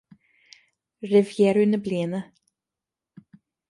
Roimh dheireadh na bliana.